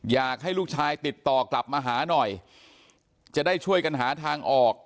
อยากให้ลูกชายติดต่อกลับมาหาหน่อยจะได้ช่วยกันหาทางออก